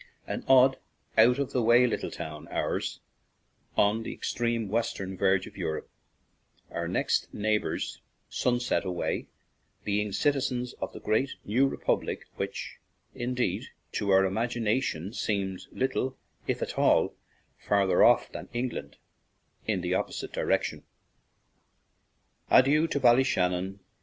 An odd, out of the way little town ours, on the extreme western verge of Europe, our next neighbors, sunset way, being citizens of the great new republic which, indeed, to our imagination seemed little, if at all, farther off than England in the opposite direction." " Adieu to Bally shannon!